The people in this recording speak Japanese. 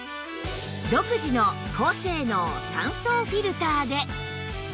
独自の高性能３層フィルターで